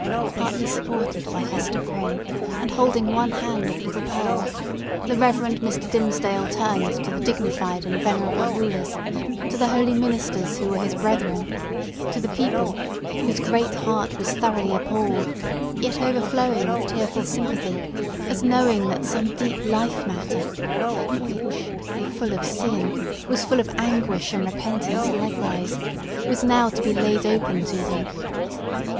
Partly supported by Hester Prynne, and holding one hand of little Pearl's, the Reverend Mr. Dimmesdale turned to the dignified and venerable rulers; to the holy ministers, who were his brethren; to the people, whose great heart was thoroughly appalled yet overflowing with tearful sympathy, as knowing that some deep life matter—which, if full of sin, was full of anguish and repentance likewise—was now to be laid open to them.